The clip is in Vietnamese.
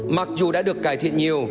mặc dù đã được cải thiện nhiều